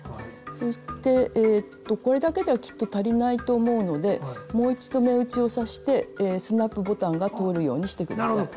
そしてこれだけではきっと足りないと思うのでもう一度目打ちを刺してスナップボタンが通るようにして下さい。